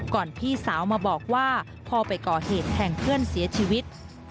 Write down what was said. พี่สาวมาบอกว่าพ่อไปก่อเหตุแทงเพื่อนเสียชีวิต